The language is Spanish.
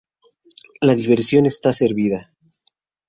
La diversión está servida.